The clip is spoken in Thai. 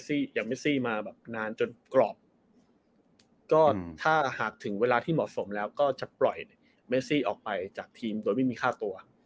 อย่างเมซี่มาแบบนานจนกรอบก็ถ้าหากถึงเวลาที่เหมาะสมแล้วก็จะปล่อยเมซี่ออกไปจากทีมโดยไม่มีค่าตัว